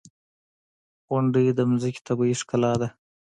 • غونډۍ د ځمکې طبیعي ښکلا ده.